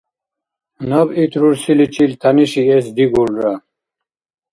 Наб ит рурсиличил тянишиэс дигулра.